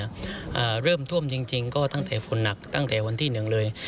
อ่าเริ่มท่วมจริงจริงก็ตั้งแต่ฝนหนักตั้งแต่วันที่หนึ่งเลย